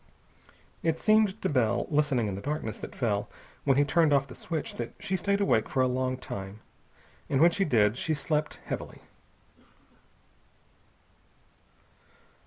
It seemed to Bell, listening in the darkness that fell when he turned off the switch, that she stayed awake for a long time. But when she did sleep, she slept heavily.